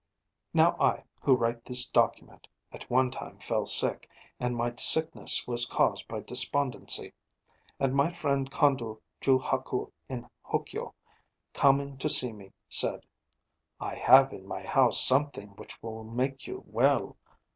'Now I, who write this document, at one time fell sick; and my sickness was caused by despondency. And my friend Kondo ju haku in Hokyo, coming to see me, said: "I have in my house something which will make you well."